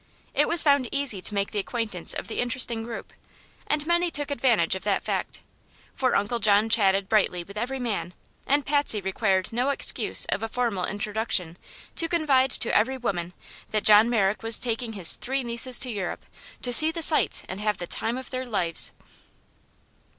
It was found easy to make the acquaintance of the interesting group, and many took advantage of that fact; for Uncle John chatted brightly with every man and Patsy required no excuse of a formal introduction to confide to every woman that John Merrick was taking his three nieces to Europe to "see the sights and have the time of their lives."